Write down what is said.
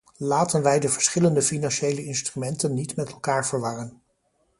Laten wij de verschillende financiële instrumenten niet met elkaar verwarren.